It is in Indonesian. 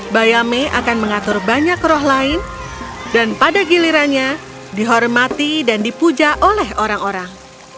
bayame akan mengatur banyak roh lain dan pada gilirannya dihormati dan dipuja oleh orang orang